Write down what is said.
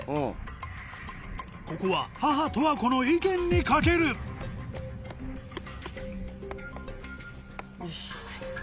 ここは母・十和子の意見に懸けるよし。